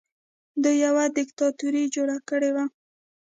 دوی یوه دیکتاتوري جوړه کړې وه